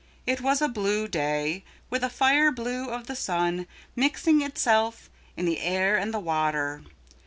It was a blue day, with a fire blue of the sun mixing itself in the air and the water.